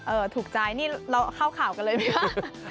ถูกใจนี่เราเข้าข่าวกันเลยไหมคะ